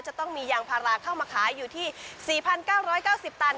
จะต้องมียางพาราเข้ามาขายอยู่ที่๔๙๙๐ตัน